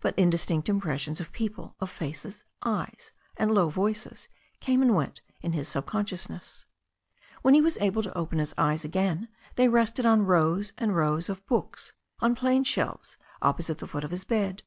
But indistinct impressions of people, of faces, eyes, and low voices came and went in his sub consciousness. When he was able to open his eyes again they rested on rows and rows of books on plain shelves opposite the foot of his bed.